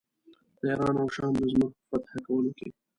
د ایران او شام د ځمکو په فتح کولو کې.